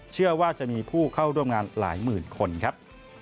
เชื่อว่าจะมีผู้เข้าร่วมงานหลายหมื่นคนครับ